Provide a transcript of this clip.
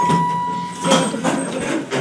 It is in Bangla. এর অর্থ পতিত জমি।